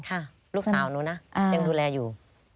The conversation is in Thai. ลูกสาวหนูนะยังดูแลอยู่